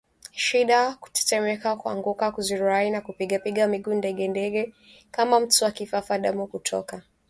shida kutetemeka kuanguka kuzirai na kupigapiga miguu degedege kama mtu wa kifafa damu kutoka